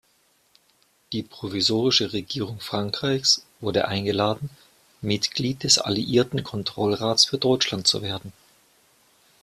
Die Provisorische Regierung Frankreichs wurde eingeladen, Mitglied des Alliierten Kontrollrats für Deutschland zu werden.